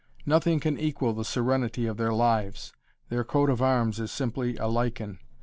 Nothing can equal the serenity of their lives. Their coat of arms is simply a lichen.